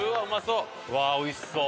うわっおいしそう！